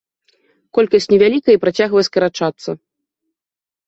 Колькасць невялікая і працягвае скарачацца.